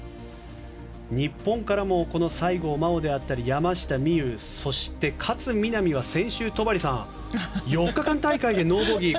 日本からも西郷真央、山下美夢有そして、勝みなみは先週戸張さん４日間大会でノーボギー。